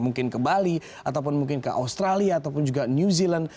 mungkin ke bali ataupun mungkin ke australia ataupun juga new zealand